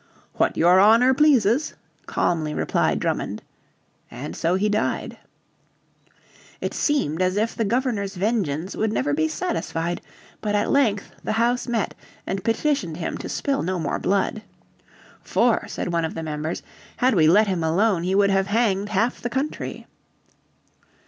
"What your honour pleases," calmly replied Drummond. And so he died. It seemed as if the Governor's vengeance would never be satisfied. But at length the House met, and petitioned him to spill no more blood. "For," said one of the members, "had we let him alone he would have hanged half the country."